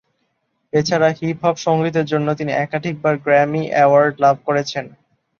এছাড়া hip hop সঙ্গীতের জন্য তিনি একাধিকবার গ্র্যামি অ্যাওয়ার্ড লাভ করেছেন।